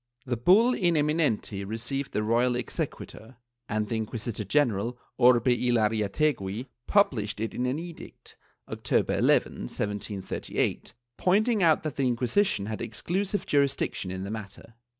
The bull In eminenti received the royal exequatur and the Inquisitor general Orbe y Larreategui published it in an edict, October 11, 1738, pointing out that the Inquisition had exclusive jurisdiction in the matter.